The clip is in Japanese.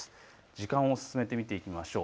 時間を進めて見ていきましょう。